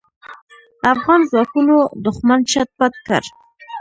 افغان ځواکونو دوښمن چټ پټ کړ.